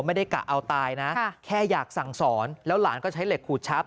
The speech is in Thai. กะเอาตายนะแค่อยากสั่งสอนแล้วหลานก็ใช้เหล็กขูดชับ